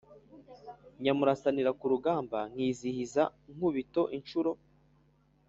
Nyamurasanira ku rugamba nkizihiza Nkubito inshuro,